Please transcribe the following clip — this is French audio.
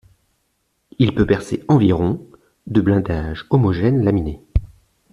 Il peut percer environ de blindage homogène laminé.